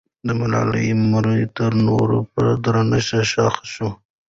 د ملالۍ مړی تر نورو په درنښت ښخ سو.